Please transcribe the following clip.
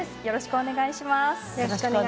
よろしくお願いします。